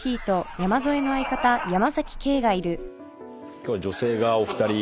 今日は女性がお二人。